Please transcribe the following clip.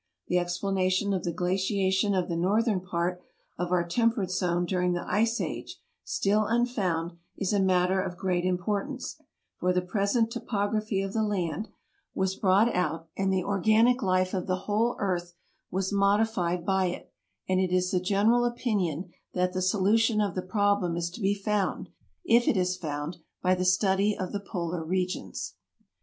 The explanation of the glaciation of the northern part of our temperate zone during the ice age, still unfound, is a matter of great im portance, for the present topography of the land was brought 96 TRAVELERS AND EXPLORERS out and the organic life of the whole earth was modified by it ; and it is the general opinion that the solution of the problem is to be found, if it is found, by the study of the polar regions.